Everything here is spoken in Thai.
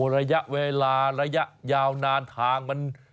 ระยะเวลาระยะยาวนานทางมัน